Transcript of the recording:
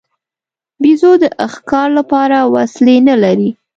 بیزو د ښکار لپاره وسلې نه لري.